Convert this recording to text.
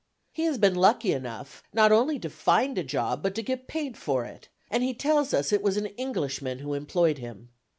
He has been lucky enough not only to find a job but to get paid for it; and he tells us it was an Englishman who employed him.